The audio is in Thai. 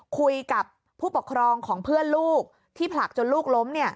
คุยกับผู้ปกครองของเพื่อนลูกที่ผลักจนลูกล้ม